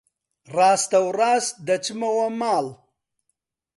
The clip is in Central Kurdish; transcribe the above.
ڕاستەوڕاست دەچمەوە ماڵ.